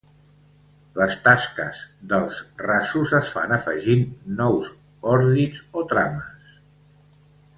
Les tasques dels rasos es fan afegint nous ordits o trames.